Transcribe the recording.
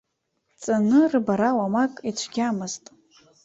Ҵаны, рбара уамак ицәгьамызт.